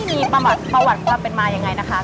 มีประวัติความเป็นมายังไงนะคะ